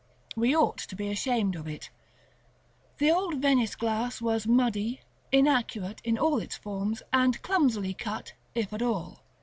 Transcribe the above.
We ought to be ashamed of it. The old Venice glass was muddy, inaccurate in all its forms, and clumsily cut, if at all.